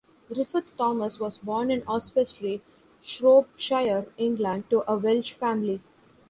Griffith Thomas was born in Oswestry, Shropshire, England, to a Welsh family.